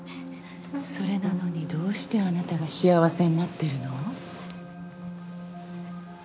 それなのにどうしてあなたが幸せになってるの？